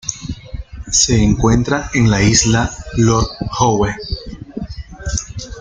Se encuentra en la Isla Lord Howe.